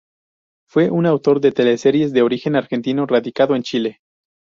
Fue un autor de teleseries de origen argentino radicado en Chile...